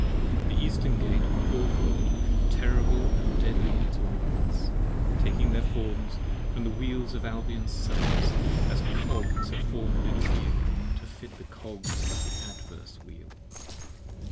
The Eastern Gate, fourfold: terrible & deadly its ornaments: Taking their forms from the Wheels of Albion's sons, as cogs Are form'd in a wheel, to fit the cogs of the adverse wheel.